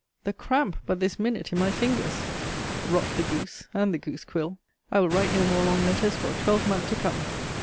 The cramp but this minute in my fingers. Rot the goose and the goose quill! I will write no more long letters for a twelve month to come.